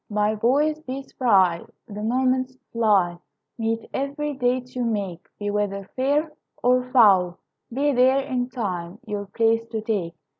My boys, be spry, The moments fly; Meet every date you make. Be weather fair Or foul, be there In time your place to take.